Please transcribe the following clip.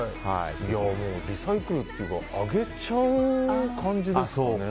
リサイクルというかあげちゃう感じですかね。